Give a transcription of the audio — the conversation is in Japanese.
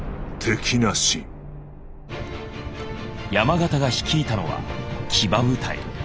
山県が率いたのは騎馬部隊。